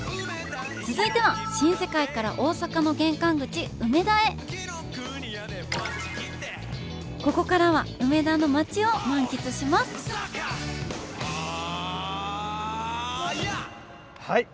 続いては新世界から大阪の玄関口梅田へここからは梅田の街を満喫しますはい。